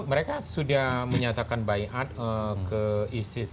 mereka sudah menyatakan bayi'at ke isis